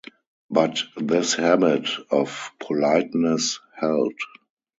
But his habit of politeness held.